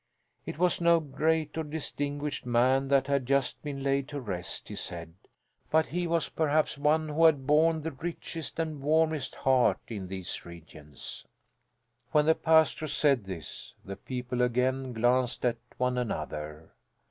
It was no great or distinguished man that had just been laid to rest, he said, but he was perhaps one who had borne the richest and warmest heart in these regions. When the pastor said this the people again glanced at one another.